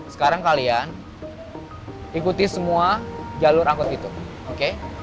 sekarang kalian ikuti semua jalur angkut itu oke